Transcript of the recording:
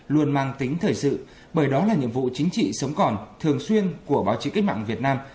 luôn mang tính thời sự bởi đó là nhiệm vụ chính trị sống còn thường xuyên của báo chí cách mạng việt nam